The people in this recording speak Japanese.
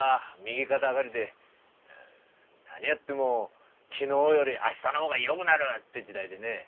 何やっても昨日より明日の方がよぐなるって時代でね。